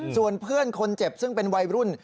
ส่วนเพื่อนคนเจ็บซึ่งเป็นวัยรุ่น